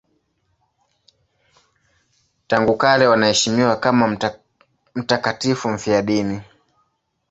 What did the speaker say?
Tangu kale wanaheshimiwa kama mtakatifu mfiadini.